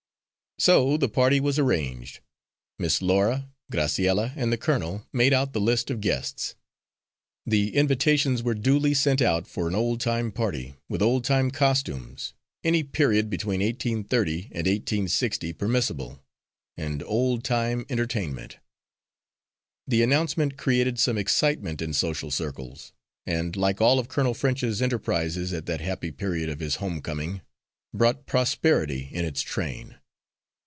So the party was arranged. Miss Laura, Graciella and the colonel made out the list of guests. The invitations were duly sent out for an old time party, with old time costumes any period between 1830 and 1860 permissible and old time entertainment. The announcement created some excitement in social circles, and, like all of Colonel French's enterprises at that happy period of his home coming, brought prosperity in its train.